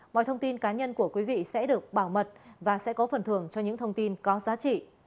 mọi thông tin cá nhân của quý vị sẽ được bảo mật và sẽ có phần thưởng cho những thông tin có giá trị